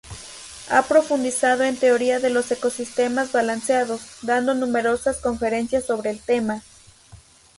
Ha profundizado en teoría de los ecosistemas balanceados, dando numerosas conferencias sobre el tema.